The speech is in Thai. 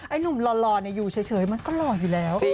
หนุ่มหล่ออยู่เฉยมันก็หล่ออยู่แล้ว